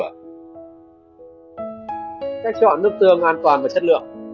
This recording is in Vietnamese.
cách chọn nước tương an toàn và chất lượng